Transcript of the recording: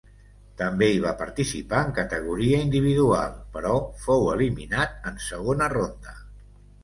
També hi va participar en categoria individual però fou eliminat en segona ronda.